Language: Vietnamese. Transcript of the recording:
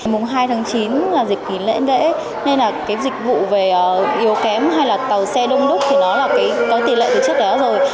mùng hai tháng chín là dịp nghỉ lễ nên dịch vụ về yếu kém hay tàu xe đông đúc có tỷ lệ từ trước đến đó rồi